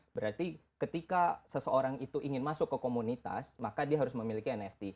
berarti ketika seseorang itu ingin masuk ke komunitas maka dia harus memiliki nft